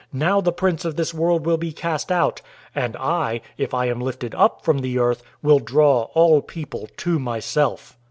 Now the prince of this world will be cast out. 012:032 And I, if I am lifted up from the earth, will draw all people to myself."